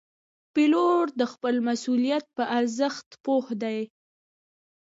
پیلوټ د خپل مسؤلیت په ارزښت پوه دی.